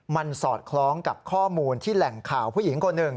มันสอดคล้องกับข้อมูลที่แหล่งข่าวผู้หญิงคนหนึ่ง